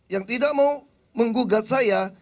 yang tidak mau menggugat saya